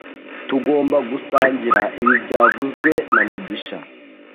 Tugomba gusangira ibi byavuzwe na mugisha